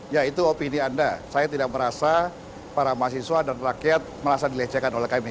ya itu opini anda saya tidak merasa para mahasiswa dan rakyat merasa dilecehkan oleh kami